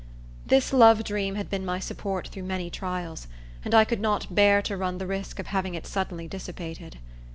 This love dream had been my support through many trials; and I could not bear to run the risk of having it suddenly dissipated.